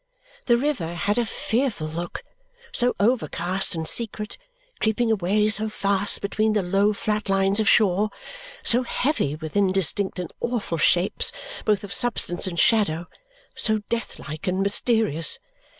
The river had a fearful look, so overcast and secret, creeping away so fast between the low flat lines of shore so heavy with indistinct and awful shapes, both of substance and shadow; so death like and mysterious.